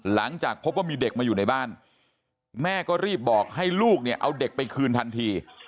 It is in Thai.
หลังจากพบว่ามีเด็กมาอยู่ในบ้านแม่ก็รีบบอกให้ลูกเนี่ยเอาเด็กไปคืนทันที